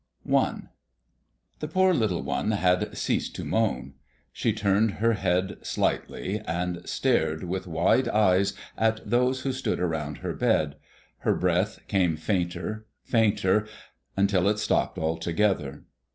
I. The poor little one had ceased to moan; she turned her head slightly and stared with wide eyes at those who stood around her bed; her breath came fainter, fainter, until it stopped altogether.